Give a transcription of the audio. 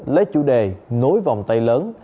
lấy chủ đề nối vòng tay lớn